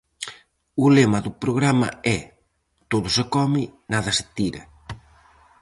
O lema do programa é: "Todo se come, nada se tira".